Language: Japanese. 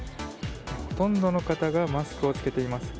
ほとんどの方がマスクを着けています。